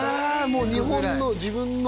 もう日本の自分の？